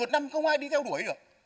một mươi một năm không ai đi theo đuổi được